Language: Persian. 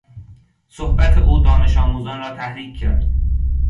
صحبت او دانش آموزان را تحریک کرد.